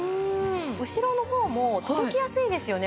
後ろの方も届きやすいですよね